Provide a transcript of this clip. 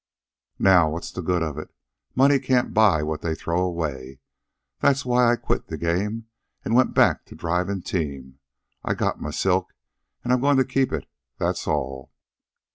Now what's the good of it? Money can't buy what they throw away. That's why I quit the game and went back to drivin' team. I got my silk, an' I'm goin' to keep it, that's all."